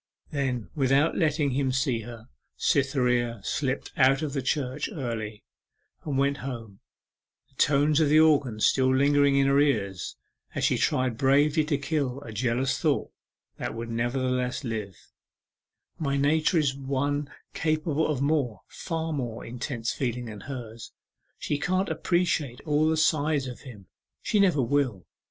Then, without letting him see her, Cytherea slipt out of church early, and went home, the tones of the organ still lingering in her ears as she tried bravely to kill a jealous thought that would nevertheless live: 'My nature is one capable of more, far more, intense feeling than hers! She can't appreciate all the sides of him she never will!